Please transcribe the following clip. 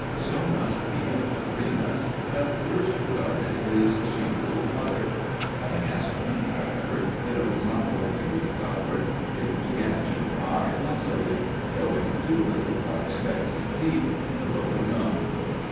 So must the infant Remus have first regarded his she wolf mother. Having ascertained, however, that it was not going to be devoured, it began to cry lustily, showing two little white specks of teeth in the lower gum.